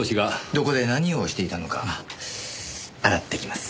どこで何をしていたのか洗ってきます。